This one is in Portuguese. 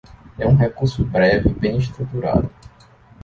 É um recurso breve e bem estruturado.